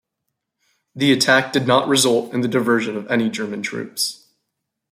The attack did not result in the diversion of any German troops.